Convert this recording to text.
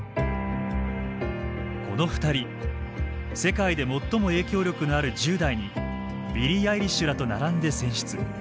この２人世界で最も影響力のある１０代にビリー・アイリッシュらと並んで選出。